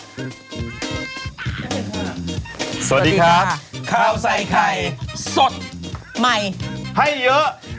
สวัสดีครับข้าวใส่ไข่สดใหม่ให้เยอะ